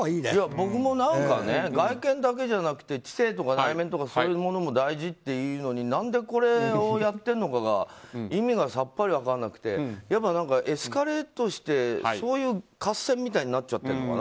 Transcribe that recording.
僕も外見だけじゃなくて知性とか内面とかそういうものも大事だっていうのに何でこれをやってるのかが意味がさっぱり分からなくてエスカレートしてそういう合戦みたいになっちゃってるのかな？